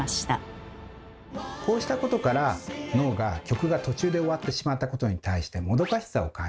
こうしたことから脳が曲が途中で終わってしまったことに対してもどかしさを感じ